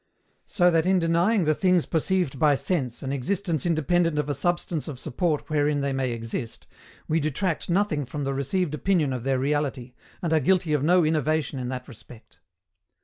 So that in denying the things perceived by sense an existence independent of a substance of support wherein they may exist, we detract nothing from the received opinion of their reality, and are guilty of no innovation in that respect.